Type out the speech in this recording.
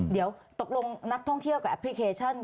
เดี๋ยวตกลงนักท่องเที่ยวกับแอปพลิเคชัน